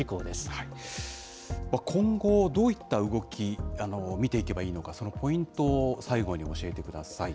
今後どういった動き、見ていけばいいのか、そのポイントを最後に教えてください。